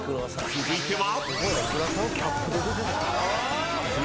［続いては］